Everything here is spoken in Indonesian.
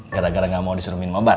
gara gara gak mau disuruh minum obat